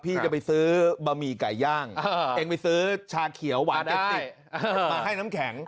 พี่จะไปซื้อบะหมี่ไก่ย่างเองไปซื้อชาเขียวหวานเอฟซีมาให้น้ำแข็ง